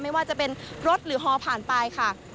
ไม่ว่าจะเป็นรถหรือฮอผ่านไปค่ะ